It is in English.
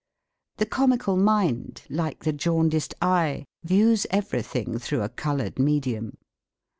The comical mind, like the jaundiced eye, v^ews ever)i;hing through a colored medium.